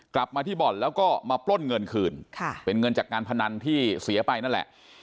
กลับมาที่บ่อนแล้วก็มาปล้นเงินคืนค่ะเป็นเงินจากการพนันที่เสียไปนั่นแหละ